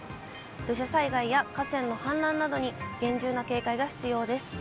土砂災害や河川の氾濫などに厳重な警戒が必要です。